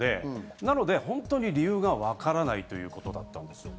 なので本当に理由がわからないということだったんですね。